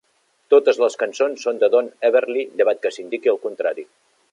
Totes les cançons són de Don Everly llevat que s'indiqui el contrari.